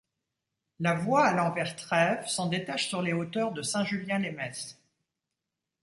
La voie allant vers Trèves s’en détache sur les hauteurs de Saint-Julien-lès-Metz.